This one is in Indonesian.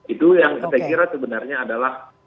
itu yang saya kira sebenarnya adalah